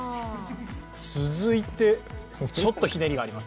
続いて、ちょっとひねりがあります